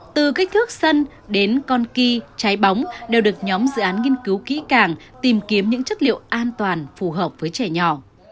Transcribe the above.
từ kích thước sân đến con kia trái bóng đều được nhóm dự án nghiên cứu kỹ càng tìm kiếm những chất liệu an toàn phù hợp với trẻ nhỏ